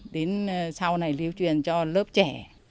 đến sau này lưu truyền cho lớp trẻ